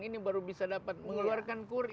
ini baru bisa dapat mengeluarkan kur